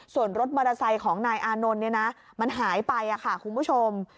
ส่วนรถมอเตอร์ไซค์ของนายอานนท์เนี่ยนะมันหายไปค่ะคุณผู้ชม